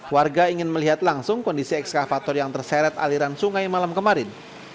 warga ingin melihat langsung kondisi ekskavator yang terseret aliran sungai malam kemarin